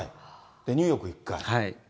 ニューヨーク１回。